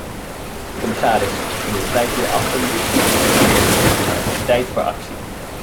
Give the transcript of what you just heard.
Commissaris, ik bepleit hier absoluut geen protectionisme, maar het is tijd voor actie.